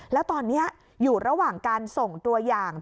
แล้วตอนนี้อยู่ระหว่างการส่งตัวอย่าง